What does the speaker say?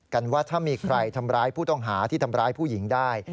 ว่าถ้ามีใครทำร้ายผู้ต้องหาที่ทำร้ายผู้หญิงได้